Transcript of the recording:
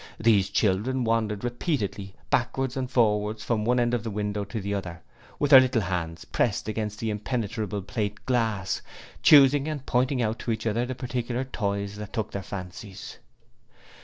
These children wandered repeatedly, backwards and forwards from one end of the window to the other, with their little hands pressed against the impenetrable plate glass, choosing and pointing out to each other the particular toys that took their fancies.